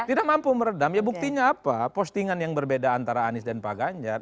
tidak mampu meredam ya buktinya apa postingan yang berbeda antara anies dan pak ganjar